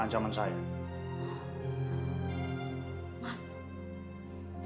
saya sudah mencari keputusan saya rida